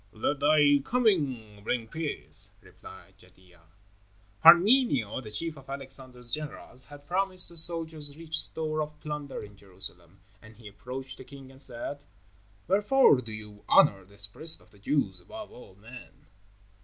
"Let thy coming bring peace," replied Jadua. Parmenio, the chief of Alexander's generals, had promised the soldiers rich store of plunder in Jerusalem, and he approached the king and said: "Wherefore do you honor this priest of the Jews above all men?"